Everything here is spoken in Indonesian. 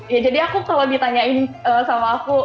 ya jadi aku kalau ditanyain sama aku